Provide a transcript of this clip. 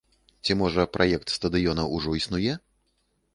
Ці, можа, праект стадыёна ўжо існуе?